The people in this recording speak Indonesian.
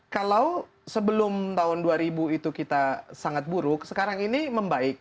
kalau sebelum tahun dua ribu itu kita sangat buruk sekarang ini membaik